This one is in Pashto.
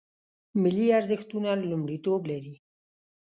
ملي ارزښتونه لومړیتوب لري